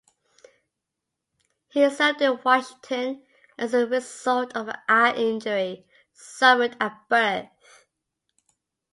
He served in Washington as a result of an eye injury suffered at birth.